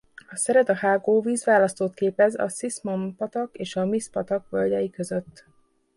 A Cereda-hágó vízválasztót képez a Cismon-patak és a Mis patak völgyei között.